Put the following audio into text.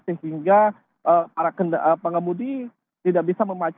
sehingga para pengemudi tidak bisa memacu